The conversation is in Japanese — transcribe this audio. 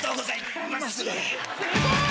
すごい！